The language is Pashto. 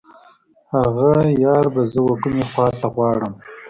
هغه یار به زه و کومې خواته غواړم.